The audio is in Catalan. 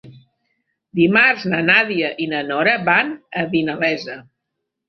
Dimarts na Nàdia i na Nora van a Vinalesa.